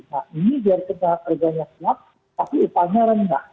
nah ini biar kerja kerjanya selap tapi upahnya rendah